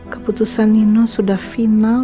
keputusan nino sudah final